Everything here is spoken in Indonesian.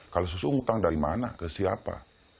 kalau susu utang dari mana ke siapa